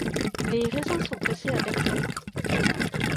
Les raisins sont pressés à Bercy.